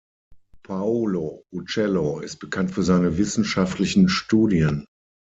Paolo Uccello ist bekannt für seine wissenschaftlichen Studien.